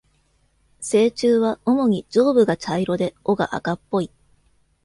成虫は主に上部が茶色で尾が赤っぽい。